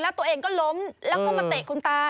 แล้วตัวเองก็ล้มแล้วก็มาเตะคุณตา